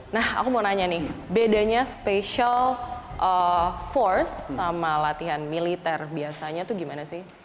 nah aku mau nanya nih bedanya special force sama latihan militer biasanya tuh gimana sih